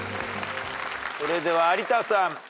それでは有田さん。